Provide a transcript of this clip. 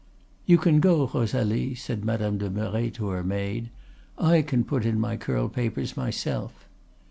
"'You can go, Rosalie,' said Madame de Merret to her maid; 'I can put in my curl papers myself.